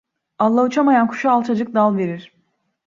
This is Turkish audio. Allah uçamayan kuşa alçacık dal verir.